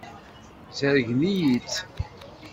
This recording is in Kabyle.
Zergen-iyi-tt.